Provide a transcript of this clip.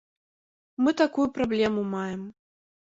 Мы такую праблему маем.